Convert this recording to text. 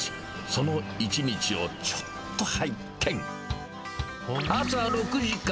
その一日をちょっと拝見。